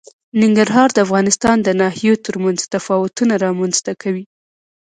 ننګرهار د افغانستان د ناحیو ترمنځ تفاوتونه رامنځ ته کوي.